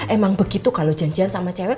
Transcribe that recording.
emang begitu kalau janjian sama cewek